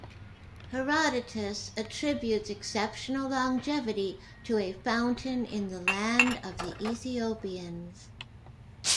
Herodotus attributes exceptional longevity to a fountain in the land of the Ethiopians.